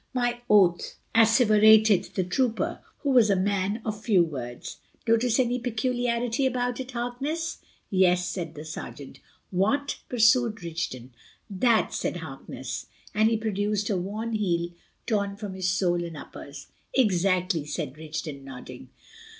"My oath!" asseverated the trooper, who was a man of few words. "Notice any peculiarity about it, Harkness?" "Yes," said the sergeant. "What?" pursued Rigden. "That," said Harkness; and he produced a worn heel torn from its sole and uppers. "Exactly," said Rigden, nodding.